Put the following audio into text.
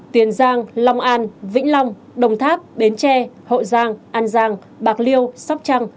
tiền giang long an vĩnh long đồng tháp bến tre hậu giang an giang bạc liêu sóc trăng